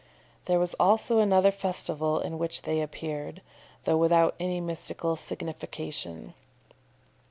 There was also another festival in which they appeared, though without any mystical signification.